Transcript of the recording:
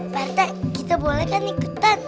parete kita boleh kan ikutan